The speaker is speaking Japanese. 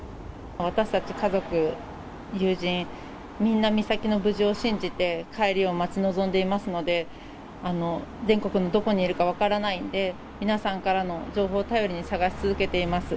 私たち家族、友人、みんな、美咲の無事を信じて、帰りを待ち望んでいますので、全国のどこにいるか分からないんで、皆さんからの情報を頼りに捜し続けています。